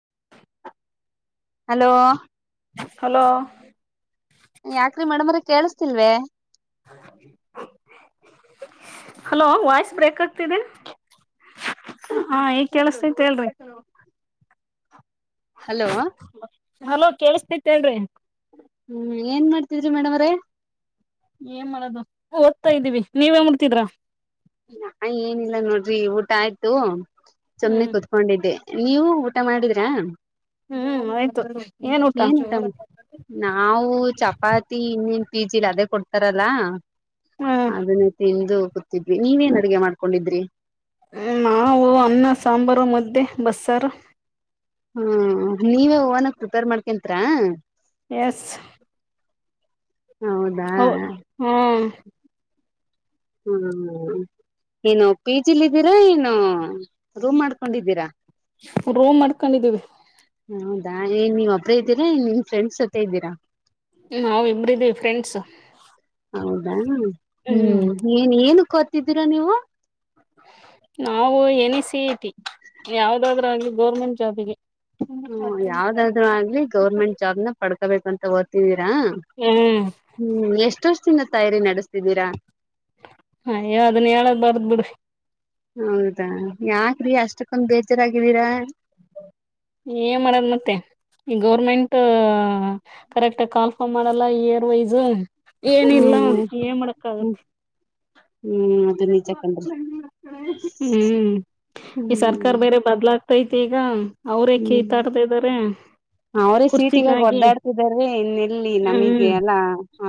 [unintelligible] [inaudible] hello hello ಯಾಕ್ರೀ madam ಅವ್ರೆ ಕೇಳಿಸಸ್ತಿಲ್ವ ಹಲೋ ವಾಯ್ಸ್ ಬ್ರೇಕ್ ಆಗ್ತಿದೆ ಹಾ ಈಗ್ ಕೆೇಳಸತೈತ್ ಹೇಳ್ರಿ ಹಲೋ ಹಲೋ ಕೇಳಸ್ತೇತಿ ಹೇಳ್ರಿ ಹ್ಮ್ ಏನ್ ಮಾಡ್ತಿದರಿ ಮೇಡಮ್ ಅವ್ರೆ ಏನ್ ಮಾಡೋದು ಓದ್ತಾ ಇದ್ದೀವಿ ನೀವೇನು ಮುಡ್ತಿದ್ರ ನಾ ಏನಿಲ್ಲ ನೋಡ್ರಿ ಊಟ ಆಯ್ತು ಸುಮ್ನೆ ಹ್ಮ್ ಕುೂತ್ಕೊಂಡಿದ್ದೆ ನೀವು ಊಟ ಮಾಡಿದ್ರಾ ಹ್ಮ್ ಆಯ್ತು ಏನ್ ಊಟ ಏನ [unintelligible] ನಾವು ಚಪಾತಿ ಇನ್ನನ್ [unintelligible] ಪಿ ಜಿಲಿ ಅದೇ ಕೊಡ್ತಾರಲ್ಲ ಹ್ಮ್ ಅದನ್ನೇ ತಿಂದು ಕೂತಿದ್ವಿ ನೀವೇನ್ ಅಡುಗೆ ಮಾಡ್ಕೊಂಡಿದ್ರಿ ನಾವ ಅನ್ನ ಸಾಂಬಾರು ಮದ್ದೆ ಬಸ್ಸಾರ ಹ್ಮ ನೀವೇ ಹೊನಾಗಿ ಪ್ರಿಪೇರ್ ಮಾಡ್ಕಂತರಾ ಎಸ್ ಹೌದಾ ಹ ಹ್ಮ್ ಹ್ಮ್ ಹ್ಮ್ ಏನು ಪಿ ಜಿಲ್ ಇದ್ದೀರಾ ಏನು ರೂಮ್ ಮಾಡ್ಕೊಂಡಿದ್ದೀರಾ ರೋಮ್ ಮಾಡ್ಕೊಂಡಿದ್ದೀವಿ ಹೌದಾ ಏನ್ ನೀವ್ ಒಬ್ರೇ ಇದ್ದೀರಾ ನಿಮ್ ಫ್ರೆಂಡ್ಸ್ ಜೊತೆ ಇದ್ದೀರಾ ನಾವ ಇಬ್ರಿದೀವಿ ಫ್ರೆಂಡ್ಸ್ ಹೌದಾ ಹ್ಮ್ ಏನ್ ಏನು ಕತಿದ್ದೀರಾ ನೀವು ನಾವು ಎನ ಸಿ ಇ ಟಿ ಯಾವ್ದಾದ್ರ ಗೌರ್ಮೆಂಟ್ ಜಾಬಿಗೆ ಹ್ಮ ಯಾವ್ದಾದ್ರು ಆಗ್ಲಿ ಗೌರ್ಮೆಂಟ್ ಜಾಬ್ನ ಪಡ್ಕೋಬೇಕಂತ ಓದ್ತ [unintelligible] ಹ್ಮ್ [unintelligible] ಹ್ಮ್ ಎಷ್ಟೋಷ್ಟ ದಿನ ತಯಾರಿ ನಡೆಸ್ತಿದ್ದೀರಾ ಹಯ ಅದನ್ನ ಹೇಳದ್ ಬರ್ದ್ ಬಿಡ್ರಿ ಹೌದಾ ಯಾಕ್ರೀ ಅಷ್ಟಕ್ಕೊಂದು ಬೇಜಾರಾಗಿದ್ದೀರಾ ಏನ್ ಮಾಡದ್ ಮತ್ತೆ ಈ ಗೌರ್ಮೆಂಟ್ ಕರೆಕ್ಟ್ ಕಾಲ್ಫಾರ್ಮ್ ಮಾಡಲ್ಲ ಇಯರ್ ವೈಸ್ ಏನಿಲ್ಲ ಹ್ಮ್ ಏ ಮಾಡಕ್ಕ ಹ್ಮ್ ಆಗತ್ತೆ ಹ್ಮ್ ಅದು ನಿಜ ಕಣ್ರಿ ಹ್ಮ್ ಈ ಸರ್ಕಾರ ಹ್ಮ್ ಬೇರೆ ಬದಲ [unintelligible] ತಿ ಈಗ ಅವ್ರ ಹ್ಮ್ ಕೀತಾಡ್ತಾ ಇದ್ದಾರೆ ಅವ್ರೇ ಸೀಟಿಗ ಒದ್ದಾಡ್ತಿದಾರ ಇನ್ನೆಲ್ಲಿ ನಮಗೆ ಹ್ಮ್ ಅಲ್ಲಾ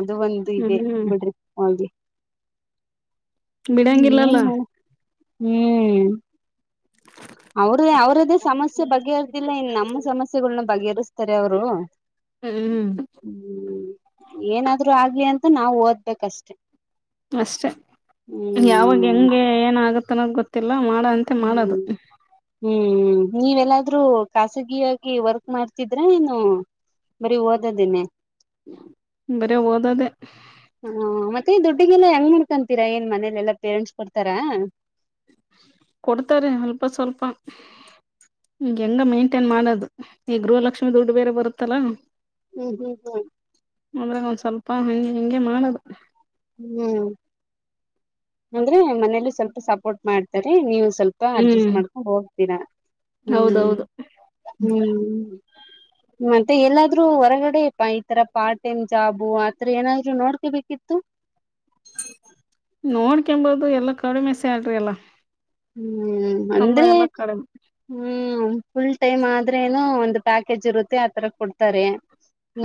ಅದು ಒಂದು ಇದೆ ಹ್ಮ್ ಬಿ [unintelligible] ಹಾಗೆ [unintelligible] [unintelligible] ಬಿಡಂಗಿಲ್ಲಲ್ಲ ಏನು ಹ್ಮ್ ಅವ್ರ ಅವ್ರದ್ದೇ ಸಮಸ್ಯೆ ಬಗೆಹರ್ದಿಲ್ಲ ಇನ್ನು ನಮ್ಮ ಸಮಸ್ಯೆಗಳ್ನ್ನ ಬಗೆಹರಿಸ್ತಾರೆ ಅವರು ಹ್ಮ್ ಹ್ಮ್ ಏನಾದ್ರು ಆಗಿಲಿ ಅಂತ ನಾವು ಓದ್ಬೇಕಷ್ಟೇ ಅಷ್ಟೆ ಯಾವಾಗ ಹ್ಮ್ ಹೆಂಗೆ ಏನ ಆಗುತ್ತನ್ನೋದು ಗೊತ್ತಿಲ್ಲ ಎಲ್ಲ ಮಾಡಂತೆ ಹ್ಮ್ ಮಾಡದು ಹ್ಮ್ ನೀವೆಲ್ಲಾದ್ರೂ ಖಾಸಗಿಯಾಗಿ ವರ್ಕ್ ಮಾಡ್ತಿದ್ರ ಏನು ಬರೀ ಓದದಿನನೆ ಬರೇ ಓದೋದೇ ಹಾ ಮತ್ತೆ ದುಡ್ಡಿಗೆಲ್ಲಾ ಹೆಂಗ್ ಮಾಡ್ಕೊಂತೀರಾ ಏನ್ ಮನೇಲೆ ಎಲ್ಲಾ ಪೇರೆಂಟ್ಸ್ ಕೊಡ್ತಾರ ಕೊಡ್ತಾರೆ ಅಲ್ಪ ಸ್ವಲ್ಪ ಹ ಹೆಂಗ ಮೇಂಟೇನ್ ಮಾಡೋದು ಈ ಗೃಹಲಕ್ಷ್ಮಿ ದುಡ್ಡು ಬೇರೆ ಬರುತ್ತಲ್ಲಾ ಹ್ಮ್ ಹ್ಮ್ ಅದ್ರಾಗ ಒಂದ್ ಸ್ವಲ್ಪ ಹಂಗೆ ಹಿಂಗೆ ಮಾಡದು ಹ್ಮ್ ಅಂದ್ರೆ ಮನೇಲಿ ಸ್ವಲ್ಪ ಸಪೋರ್ಟ್ ಮಾಡ್ತರೆ ನೀವು ಸ್ವಲ್ಪ ಹ್ಮ್ ಅಡ್ಜಸ್ಟ್ ಮಾಡ್ಕೊಂಡ್ ಹೋಗ್ತೀರಾ ಹ್ಮ್ ಹೌದೌದು ಹ್ಮ್ ಮತ್ತೆ ಎಲ್ಲಾದ್ರೂ ಹೊರಗಡೆ ಈತರ ಪಾರ್ಟ್ ಟೈಮ್ ಜಾಬು ಆತ್ರ ಏನಾದ್ರು ನೋಡ್ಕೋಬೇಕಿತ್ತು [inaudible] [unintelligible] ಎಲ್ಲಾ ಕಡಿಮೆ ಸ್ಯಾಲರಿ ಎಲ್ಲಾ ಹ್ಮ್ ಅಂದ್ರೆ ಹ್ಮ್ ಹ್ಮ್ ಫುಲ್ ಟೈಮ್ ಆದ್ರೇನ ಒಂದು ಪ್ಯಾಕೇಜ್ ಇರುತ್ತೆ ಆತರ ಕೊಡ್ತಾರೆ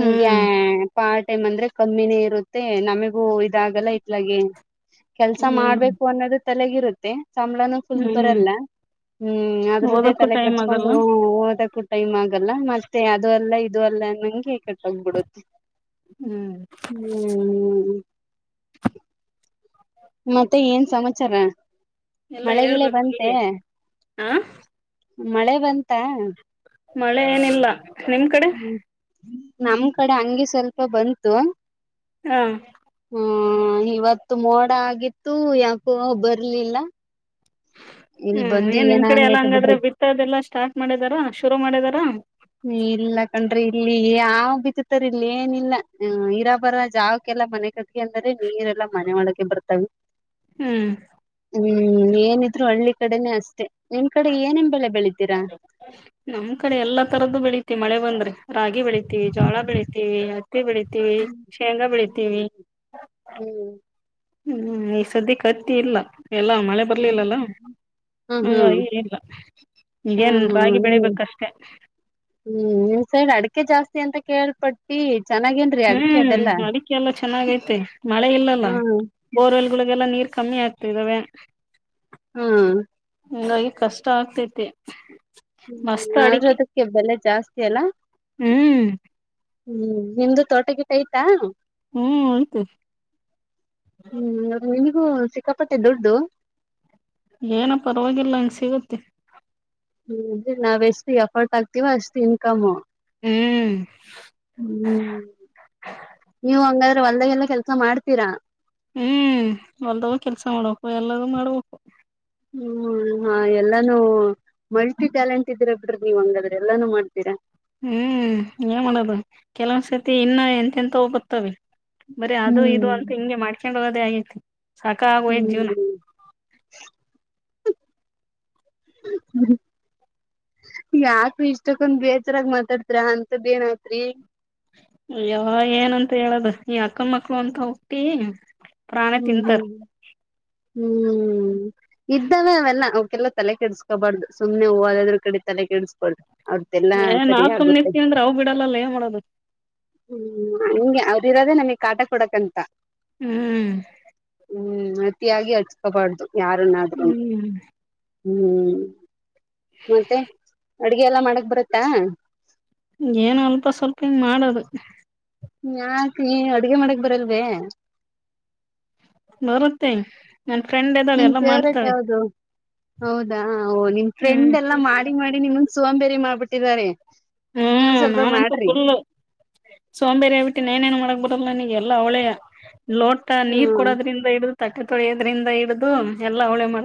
ಹ್ಮ್ ಪಾರ್ಟ್ ಟೈಮ್ ಅಂದ್ರೆ ಕಮ್ಮಿನೇ ಇರುತ್ತೆ ನಮಗೂ ಇದಾಗಲ್ಲ ಇಟ್ಲಗೆೆ ಕೆಲ್ಸ ಹ್ಮ್ ಮಾಡ್ಬೇಕು ಅನ್ನೋದು ತಲೆಗಿರುತ್ತೆ ಸಂಬಳ ಫುಲ್ [inaudible] ಹ್ಮ್ ಬರಲ್ಲ ಹ್ಮ್ ಅದ್ರದ್ದೇ ಓದಕ್ಕೂ ತಲೆ ಟೈಮ್ ಕೆಡಿಸ್ಕೊಂಡು ಆಗಲ್ಲ [unintelligible] ಟೈಮ್ ಆಗಲ್ಲ ಮತ್ತೆ ಅದು ಅಲ್ಲ ಇದು ಅಲ್ಲ ಅಂಗೆ ಕಟ್ಟ ಆಗ್ಬಿಡತ್ತೆ [inaudible] ಹ್ಮ್ ಹ್ಮ್ ಮತ್ತೆ ಏನ್ ಸಮಾಚಾರ ಎಲ್ಲ ಮಳೆಗಿಳೆ ಹೇಳ್ಬೇಕು ಬಂತೆ ನೀವೇ ಹ ಮಳೆ ಬಂತ ಮಳೆ ಏನಿಲ್ಲ ನಿಮ್ ಕಡೆ ಹ್ಮ್ ನಮ್ ಕಡೆ ಹಂಗೆ ಸ್ವಲ್ಪ ಬಂತು ಹಾ ಹ್ಮ್ ಇವತ್ತು ಮೋಡ ಆಗಿತ್ತು ಯಾಕೋ ಬರ್ಲಿಲ್ಲ ಇಲ್ ಹ್ಮ್ ಬಂದು ಏನ್ ನಿಮ್ ಏನ ಕಡೆ ಎಲ್ಲ ಹಂಗೈತೆ ಬಿಡ್ರಿ ಹಂಗಾದ್ರೆ ಬಿತ್ತದೆ ಎಲ್ಲಾ ಸ್ಟಾರ್ಟ್ ಮಾಡಿದಾರ ಶುರು ಮಾಡಿದಾರ ಹ್ಮ ಇಲ್ಲ ಕಣ್ರಿ ಇಲ್ಲಿ ಯಾವ್ ಬಿತ್ತತರ್ ಇಲ್ಲಿ ಏನಿಲ್ಲ ಇರಾಬರ ಜಾವಕಲ್ಲ ಎಲ್ಲ ಮನೆ ಕಟ್ಗೆ ಅಂದರೆೆ ನೀರೆಲ್ಲಾ ಮನೆ ಒಳಗೆ ಬರ್ತವೆ ಹ್ಮ್ ಹ್ಮ್ ಏನಿದ್ರು ಹಳ್ಳಿ ಕಡೆನೇ ಅಷ್ಟೇ ನಿಮ್ ಕಡೆ ಏನೇನ್ ಬೆಳೆ ಬೆಳಿ ನಮ್ ಕಡೆ ಎಲ್ಲಾ ತರದ್ದು ಬೆಳಿ ಮತ್ತ ಮಳೆ ಬಂದ್ರೆ ರಾಗಿ ಬೆಳಿತೀವಿ ಜೋಳ ಬೆಳೀತಿವಿ ಹತ್ತಿ ಬೆಳಿತೀವಿ ಹ್ಮ್ ಶೇಂಗಾ ಬೆಳಿತೀವಿ ಹ್ಮ್ ಹ್ಮ್ ಈ ಸದ್ಯಕ್ಕೆತ್ತಿ ಇಲ್ಲ ಎಲ್ಲಾ ಮಳೆ ಬರ್ಲಿಲ್ಲಲ್ಲ ಹ್ಮ್ ಅಂಗಾಗಿ ಇಲ್ಲ ಹ್ಮ್ ಏನ್ ಹ್ಮ್ ರಾಗಿ ಬೆಳಿಬೇಕಷ್ಟೆ ಹ್ಮ್ ನಿಮ್ಮ್ ಸೈಡ್ ಅಡಿಕೆ ಜಾಸ್ತಿ ಅಂತ ಕೇಳ್ಪಟ್ಟಿ ಚೆನ್ನಾಗೇನ್ರೀ ಅಡಿಕೆ ಅದೆಲ್ಲಾ ಹ್ಮ್ ಅದಕ್ಕೆ ಎಲ್ಲ ಚೆನ್ನಾಗೈತೆ ಮಳೆ ಇಲ್ಲಲ್ಲ ಹ್ಮ್ ಬೋರ್ವೆಲ್ಗಳಿಗೆಲ್ಲಾ ನೀರ್ ಕಮ್ಮಿ ಆಗ್ತ ಇದಿದ್ದಾವೆ ಹ್ಮ್ ಹಂಗಾಗಿ ಕಷ್ಟ ಆಗ್ತೈತಿ ಹ್ಮ್ ಮಸ್ತ್ ಅದ್ರು ಅಡಿಕೆ ಅದಕ್ಕೆ ಬೆಲೆ ಜಾಸ್ತಿ ಅಲ್ಲ ಹ್ಮ್ ಹ್ಮ್ ನಿಮ್ದು ತೋಟ ಟೈಟ್ ಐತ ಹ್ಮ್ ಅಯ್ತೆ ನಿಮಗೂ ಹ್ಮ್ ಸಿಕ್ಕಾಪಟ್ಟೆ ದುಡ್ಡು ಏನ ಪರವಾಗಿಲ್ಲ ಹಂಗ ಸಿಗತ್ತೆ [unintelligible] ನಾವ್ ಎಷ್ಟು ಎಫೋರ್ಟ್ ಆಗ್ತಿವ ಅಷ್ಟು ಇನ್ಕಮು ಹ್ಮ್ ಹ್ಮ್ [inaudible] ನೀವು ಅಂಗ ಹೊಲದಗೆಲ್ಲ ಕೆಲ್ಸ ಮಾಡ್ತೀರಾ ಹ್ಮ್ ಹೊಲ್ದಗ ಕೆಲ್ಸ ಮಾಡ್ಬೇಕು ಎಲ್ಲದೂ ಮಾಡ್ಬೇಕು ಹ್ಮ್ ಹಾ ಎಲ್ಲಾನೂ ಮಲ್ಟಿ ಟ್ಯಾಲೆಂಟ್ ಇದೀರ ಬಿಡ್ರಿ ನೀವ್ ಹಂಗಾದ್ರ ಎಲ್ಲಾನು ಮಾಡ್ತೀರಾ ಹ್ಮ್ ಏನ್ ಮಾಡೋದು ಕೆಲವೊಂದ್ ಸತಿ ಇನ್ನ ಎಂತ ಎಂತವೊ ಬತ್ತವೆ ಬರೀ ಅದು ಇದು ಹ್ಮ್ ಅಂತ ಹಿಂಗೆ ಮಾಡ್ಕೊಂಡ್ ಹೋಗೋದೇ ಆಗೈತಿ ಸಾಕಾಗಿ ಹೋಗಿದೆ ಜೀವನ ಹ್ಮ್ [unintelligible] ಯಾಕ್ರಿ ಇಷ್ಟಕ್ಕೊಂದ್ ಬೇಜರಾಗ್ ಮಾತಾಡ್ತ್ರ ಅಂತದ್ ಏನ್ಯತ್ರಿ ಯೊ ಏನಂತ ಹೇಳದು ಈ ಅಕ್ಕನ್ ಮಕ್ಳು ಅಂತ ಹುಟ್ಟಿ ಪ್ರಾಣ ಹ್ಮ್ ತಿಂತಾರ್ ಹ್ಮ್ ಹ್ಮ್ ಇದ್ದಾವೆ ಅವೆಲ್ಲ ಅವಕೆಲ್ಲ ತಲೆ ಕೆಡ್ಸ್ಕೋಬಾರ್ದು ಸುಮ್ನೆ ಹೂವ ಅದ್ರ ಕಡೆ ತಲೆ ಕೆಡಸ್ಬಾರ್ದು ಅವ್ರ್ದೆಲ್ಲಾ ಏ ಸರಿ ನಾವ್ ಸುಮ್ನೆ ಆಗುತ್ತೆ ಇರ್ತೀವಿ ಅಂದ್ರೆ ಅವು ಬಿಡಲ್ಲಲ್ಲ ಏನ್ ಮಾಡೋದು [unintelligible] ಅವ್ರಿರೋದೇ ನಮಿಗ್ ಕಾಟ ಕೊಡಕಂತ ಹ್ಮ್ ಹ್ಮ್ ಅತಿಯಾಗಿ ಹಚ್ಕಬಾರ್ದು ಯಾರನ್ನಾದರುನು ಹ್ಮ್ ಹ್ಮ್ ಮತ್ತೆ ಅಡ್ಗೆ ಎಲ್ಲ ಮಾಡಕ್ ಬರುತ್ತಾ ಏನು ಅಲ್ಪ ಸ್ವಲ್ಪ ಹಿಂಗ್ ಮಾಡದು ಯಾಕೆ ಅಡ್ಗೆ ಮಾಡಕ್ ಬರಲ್ವೇ ಬರುತ್ತೆ ನನ್ ಫ್ರೆಂಡ್ ಇದ್ದಾಳೆ ನಿನ್ ಎಲ್ಲ ಫೇವ್ರೇಟ್ ಮಾಡ್ತಾಳೆ ಯಾವ್ದು ಹೌದಾ ಓ ನಿಮ್ ಹ್ಮ್ ಫ್ರೆಂಡ್ ಎಲ್ಲಾ ಮಾಡಿ ಮಾಡಿ ನಿಮನ್ ಸೊಂಬೇರಿ ಮಾಡ್ಬಿಟ್ಟಿದ್ದಾರೆ ನೀವು ಹ್ಮ್ ಸ್ವಲ್ಪ ನಾನಂತೂ ಮಾಡ್ರಿ ಫುಲ್ ಸೋಂಬೇರಿಯೇಬಿಟ್ಟೀನಿ [unintelligible] ನೇನ್ ಮಾಡಕ್ಬು ನನಗೆಲ್ಲ ಅವಳೆಯ ಲೋಟ ನೀರ್ ಕೊಡೋದ್ರಿಂದ ಇಡಿದು ತಟ್ಟೆ ತೊಳ್ ಹ್ಮ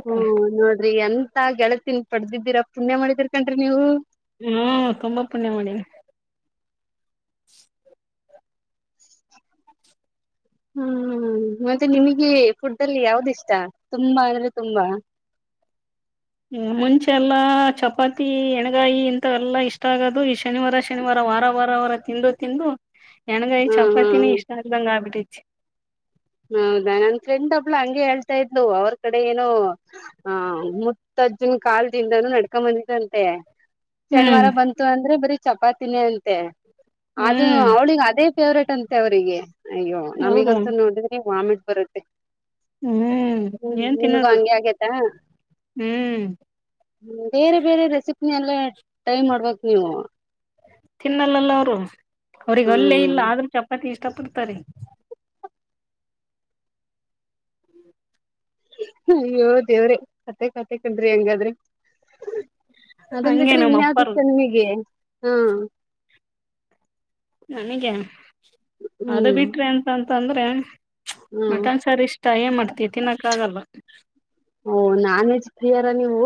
ಹ್ಮ್ ನೋಡ್ರಿ ಎಂತ ಗೆಳತನ್ ಪಡೆದಿದ್ದೀರಾ ಪುಣ್ಯ ಮಾಡಿದಿರ್ ಕನ್ರಿ ನೀವು ಹ್ಮ್ ತುಂಬ ಪುಣ್ಯ ಮಾಡಿನಿ [inaudible] ಹ್ಮ್ ಮತ್ತೆ ನಿಮಿಗೆ ಫುಡ್ ಅಲ್ಲಿ ಯಾವ್ದ್ ಇಷ್ಟ ತುಂಬಾ ಅಂದ್ರೆ ತುಂಬಾ [inaudible] ಹ್ಮ ಮುಂಚೆ ಎಲ್ಲಾ ಚಪಾತಿ ಎಣಗಾಯಿ ಇಂತ ಎಲ್ಲಾ ಇಷ್ಟ ಆಗೋದು ಈ ಶನಿವಾರ ಶನಿವಾರ ವಾರ ವಾರ ವರ ತಿಂದು ತಿಂದು ಹೆಣಗೈ ಹ್ಮ್ ಹ್ಮ್ ಚಪಾತಿನೇ ಇಷ್ಟ ಆಗ್ದಂಗ ಆಗ್ಬಿಟ್ಟಿತಿ ಹೌದಾ ನನ್ ಫ್ರೆಂಡ್ ಒಬ್ಳು ಹಂಗೆ ಹೇಳ್ತಾ ಇದ್ಲು ಅವ್ರ ಕಡೆ ಏನೋ ಆ ಮುತ್ ಅಜ್ಜನ್ ಕಾಲ್ದಿಂದಾನು ನಡ್ಕೊ ಬಂದಿದಂತೆ ಹ್ಮ್ ಶನಿವಾರ ಬಂತು ಅಂದ್ರೆ ಬರೀ ಚಪಾತಿನೇ ಅಂತೆ ಅದು ಹ್ಮ್ ಅವ್ಳಿಗೆ ಅದೇ ಫೇವ್ರೇಟ್ ಟಂತೆ ಅವರಿಗೆ ಅಯ್ಯೋ ಹೌದು ನಮೀಗಂತೂ ನೋಡಿದ್ರಿ ವಾಮಿಟ್ ಬರುತ್ತೆ ಹ್ಮ್ ಹ್ಮ್ ಏನ್ ನಿಮ್ಗೂ ತಿನ್ನೋದು ಹಂಗೆ ಆಗೇತ ಹ್ಮ್ ಬೇರೆ ಬೇರೆ ರೆಸಿಪಿನೆಲ್ಲ ಟ್ರೈ ಮಾಡ್ಬೇಕು ನೀವು ತಿನ್ನಲ್ಲಲ್ಲ ಅವ್ರು ಅವ್ರಿಗೆ ಅಲ್ಲೇ ಇಲ್ಲ ಹ್ಮ್ ಆದ್ರೂ ಚಪಾತಿ ಇಷ್ಟ ಪಡ್ತಾರೆ ಅಯ್ಯೋ ದೇವ್ರೆ ಕತೆೆ ಕತೆೆ ಕಂಡ್ರಿ ಹೆಂಗಾದ್ರೆ ಅದನ್ ಹಂಗೆ ಬಿಟ್ರೆ ನಮ್ಮ ಇನ್ಯಾವ್ದ್ ಅಪ್ಪಾರ ಇಷ್ಟ ನಿಮಿಗೆ ಹಾ ನನಗೆ ಅದು ಹ್ಮ್ ಬಿಟ್ರಿ ಅಂತ್ ಅಂತಂದ್ರೆ ಹ್ಮ್ ಮಟನ್ ಸಾರ್ ಇಷ್ಟ ಏನ್ ಮಾಡ್ತಿ ತಿನ್ನಕ್ ಆಗಲ್ಲ ಓ ನಾನ್ವೆಜ್ ಪ್ರಿಯರ ನೀವು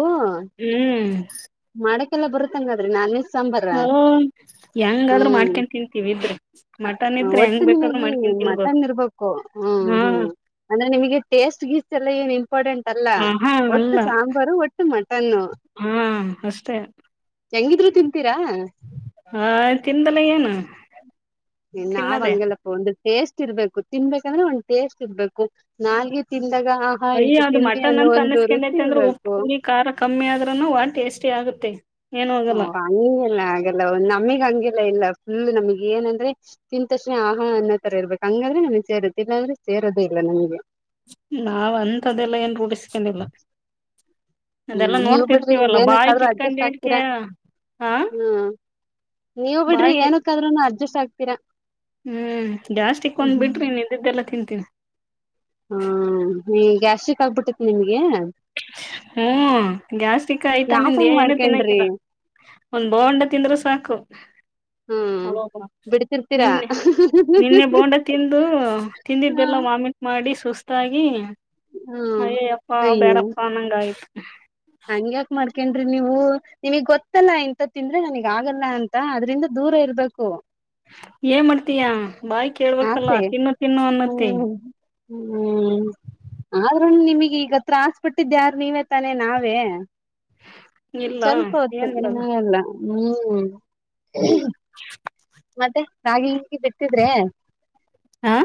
ಹ್ಮ್ ಮಾಡಕೆಲ್ಲ ಬರುತ್ ಅಂಗಾದ್ರೆ ನಾನ್ವೆಜ್ ಒ ಹೆಂಗಾದ್ರು ಹ್ಮ್ ಮಾಡ್ಕೆನ್ಇದ್ರ್ ತಿಂತೀವಿ ಇದ್ರೆ ಮಟನ್ ಇದ್ರೆ ಒಟ್ಟು ಹೆಂಗ್ ಬೇಕಾದ್ರು ಮಾಡ್ಕ ನಿಮಗೆ ಮಟನ್ ಇರ್ಬೇಕು ಹ್ಮ ಹ್ಮ್ ಅಂದ್ರೆ ನಿಮಿಗೆ ಟೇಸ್ಟ್ ಎಲ್ಲ ಏನ್ ಇಂಪಾರ್ಟೆಂಟ್ ಅಲ್ಲ ಹ ಹಾ ಒಟ್ಟು ಅಲ್ಲ ಸಾಂಬಾರು ಒಟ್ಟು ಮಟನ್ನು ಹಾ ಅಷ್ಟೇ ಹೆಂಗಿದ್ರು ತಿಂತ್ ಹಾ ತಿಂದ್ ಲ ಏನು ಎ ನಾವ್ ತಿನ್ನದೇ ಅಂಗಲ್ಲಪಾ ಒಂದೆ ಟೇಸ್ಟ್ ಇರ್ಬೇಕು ತಿನ್ಬೇಕಂದ್ರೆ ಒಂದ್ ಟೇಸ್ಟ್ ಇರ್ಬೇಕು ನಾಲ್ಗೆ ತಿನ್ ಅಯ್ಯ ಅದು ಮಟನ್ ಅಂತ ರುಚಿ ಅನ್ನಸ್ಕಂಡಐತೆ ಅಂದ್ರ ಉಪ್ ಇರ್ಬೇಕು ಹುಳಿ ಖಾರ ಕಮ್ಮಿ ಆದ್ರೂನು ಟೇಸ್ಟಿ ಆಗುತ್ತೆ ಏನ್ ಹೋಗಲ್ಲ ಹ ಹಗೆಲ್ಲ ಹಾಗಲ್ಲ ಒಂದ್ ನಮಿಗ್ ಹಂಗೆ ಇಲ್ಲ ಇಲ್ಲ ಫುಲ್ ನಮ್ಗೆ ಏನಂದ್ರೆ ತಿಂದ್ ಕ್ಷಣ ಆಹಾ ಅನ್ನೋ ತರ ಇರ್ಬೇಕು ಹಂಗಾದ್ರೆ ನಮಿಗೆ ಸೇರುತ್ತೆ ಇಲ್ಲಾಂದ್ರೆ ಬೇರೋದೇ ಇಲ್ಲ ನಮಗೆ ನಾವ ಅಂತದೆಲ್ಲ ಏನ್ ರೂಢಿಸ್ಕೊಂಡಿಲ್ಲ ಹ್ಮ್ ಅದೆಲ್ಲಾ ನೀವ್ ಬಿಡ್ರಿ ನೋಡ್ತಿರ್ತೀವಲ್ಲ ಬಾಯಿ ಏನಕ್ಕಾದ್ರೂ ಕ ಅಡ್ಜಸ್ಟ್ ಇಟ್ಕೊಂಡಡ್ಕ ಆಗ್ತೀರಾ ಹಾ ಹ್ಮ್ ನೀವ್ ಬಿಡ್ರಿ ಬಾಯಿ ಏನಕ್ಕಾದ್ರೂನು ಅಡ್ಜಸ್ಟ್ ಆಗ್ತೀರಾ ಹ್ಮ್ ಗ್ಯಾಸ್ಟ್ರಿಕ್ ಒಂದ್ ಬಿಟ್ರೆ ಇನ್ನು ಇದ್ದಿದೆಲ್ಲ ತಿಂತೀನಿ ಹ್ಮ ಈ ಗ್ಯಾಸ್ಟ್ರಿಕ್ ಆಗ್ಬಿಟ್ಟೇತಿ ನಿಮ್ಗೆ ಹ್ಮ್ ಗ್ಯಾಸ್ಟ್ರಿಕ್ ಐಟಮ್ ದು ಯಾಕಂಗ್ ಏನು ಮಾಡ್ಕೊಂಡ್ರಿ ತಿನ್ನಂಗಿಲ್ಲ ಒಂದ್ ಬೋಂಡ ತಿಂದ್ರೂ ಸಾಕು ಹ್ಮ್ ಬಿಡ್ತಿರ್ತೀರಾ ನಿನ್ನೆ ನಿನ್ನೆ ಬೋಂಡ ತಿಂದು ಹ ತಿಂದಿದ್ದಲ್ಲ ವಾಮಿಟ್ ಮಾಡಿ ಸುಸ್ತಾಗಿ ಹ್ಮ್ ಅಯೇ ಅಪ್ಪಾ ಬೇಡಪ್ಪ ಅನ್ನಂಗ ಆಯ್ತ್ ಹಂಗ್ಯಾಕ ಮಾಡ್ ಯಾಕೇನ ನೀವು ನಿಮಗ್ ಗೊತ್ತಲ್ಲ ಇಂತ ತಿಂದ್ರೆ ನನಗ್ ಆಗಲ್ಲ ಅಂತ ಅದ್ರಿಂದ ದೂರ ಇರ್ಬೇಕು ಏನ್ ಮಾಡ್ತೀಯ ಬಾಯ್ ಕೇಳ್ಬೇಕಲ್ಲ ಆಸೆ ತಿನ್ನು ತಿನ್ನು ಅನ್ನತ್ತೇ ಹ್ಮ್ ಹ್ಮ್ ಆದ್ರ ನಿಮಗ್ ಈಗ ಹತ್ರ ಆಸ್ಪಿಟ್ಟಿದ್ದೆ ಯಾರ ನೀವೇ ತಾನೆ ನಾವೇ ಇಲ್ಲ ಸ್ವಲ್ಪ ಹೊತ್ತು ಏನ್ ನ ಮಾಡೋದು ಎಲ್ಲ ಹ್ಮ್ [inaudible] ಮತ್ತೆ ರಾಗಿ ಹೀಗೆ ಬಿಟ್ಟಿದ್ರೆ ಹಾ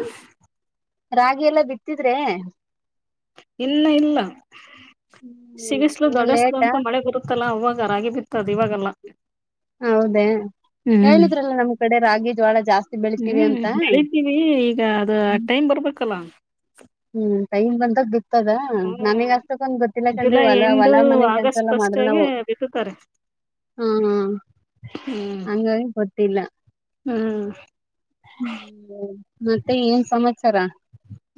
ರಾಗಿ ಎಲ್ಲಾ ಬಿತ್ತಿದ್ರೆ ಇಲ್ಲ ಇಲ್ಲ ಹ್ಮ್ ಸಿಗಿಸ್ಲು ಇನ್ನು ದೊಡಸ್ ಲೇಟಾ ಅಂತ ಮಳೆ ಬರುತ್ತಲ್ಲ ಅವಾಗ ರಾಗಿ ಬಿತ್ತದ ಇವಾಗೆಲ್ಲ ಹೌದೇ ಹ್ಮ್ ಹೇಳಿದ್ರಲ್ಲ ನಮ್ಮ್ ಕಡೆ ರಾಗಿ ಜೋಳ ಜಾಸ್ತಿ ಬೆಳಿತೀವಿ ಹ್ಮ್ ಅಂತ ಬೆಳೀತಿವಿ ಈಗ ಅದ ಟೈಮ್ ಬರ್ಬೇಕಲ್ಲ ಹ್ಮ್ ಟೈಮ್ ಬಂದಾಗ ಬಿ ಹತದಾ ನಮಗ್ ಹ್ಮ್ ಅಸ್ತಕೊಂದ್ ಗೊತ್ತಿಲ್ಲ ಕಂಡ್ರಿ ಜುಲೈ ಹೊಲಾ ಎಂಡು ಹೊಲ ಮನೆಗ್ ಕೆಲ್ಸ ಆಗಸ್ಟ್ ಎಲ್ಲ ಫಸ್ಟ್ ಮಾಡ್ರ ಆಗಿ ನಾವವು ಬಿತ್ತುತ್ತಾರೆ ಹಾ ಹಾ ಹ್ಮ್ ಹಂಗಾಗಿ ಗ ಹ್ಮ್ ಗ ಮತ್ತೆ ಏನ್ ಸಮಾಚಾರ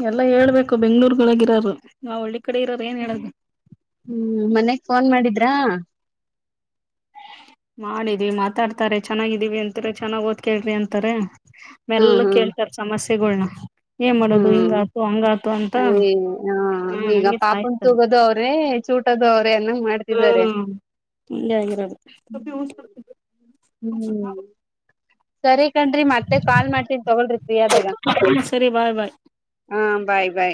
ಎಲ್ಲ ಹೇಳ್ಬೇಕು ಬೆಂಗ್ಳೂರ್ೊಳಗ ಇರರು ನಾವ್ ಹಳ್ಳಿ ಕಡೆ ಇರಾರ ಏನ್ ಹೇಳಬೇಕು ಹ್ಮ್ ಮನ್ಗ್ ಫೋನ್ ಮಾಡಿದ್ರಾ ಮಾಡಿದ್ವಿ ಮಾತಾಡ್ತಾರೆ ಚೆನ್ನಾಗಿದೀವಿ ಅಂತೇಳ ಚೆನ್ನ್ ಓದ್ ಕೇಳ್ರಿ ಅಂತಾರೆ ಹ್ಮ್ ಎಲ್ಲರೂ ಹ್ಮ್ ಕೇಳ್ತಾರೆ ಸಮಸ್ಯೆಗಳನ್ನ ಏನ್ ಮಾಡೋದು ಹ್ಮ್ ಹಿಂಗಾತು ಹಂಗಾತು ಅಂತ ಅಯೇ ಹಾ ಹ ಈಗ ಹಂಗೆ ಪಾಪನ್ ಸಾಯಿಸ್ತಾರೆ ತಗೋದು ಅವ್ರೆ ಚೂಟದ ಹ್ಮ ಮುಜಾಗಿರೋದು ಹ್ಮ್ ಸರಿ ಕಣ್ರೀ ಮತ್ತೆ ಕಾಲ್ ಮಾಡ್ತನಿ ತಗೋಳಿ ಫ್ರೀ ಆದಾಗ ಸರಿ ಬಾಯ್ ಬಾಯ್ ಹ ಬಾಯ್ ಬೈ